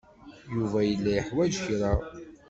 Yuba yella yeḥwaj kra.